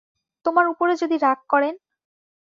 তােমার উপরে যদি রাগ করেন?